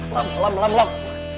lam lam lam lam